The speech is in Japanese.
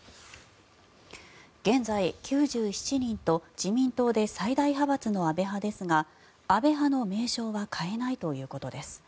現在、９７人と自民党で最大派閥の安倍派ですが安倍派の名称は変えないということです。